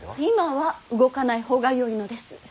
今は動かない方がよいのです。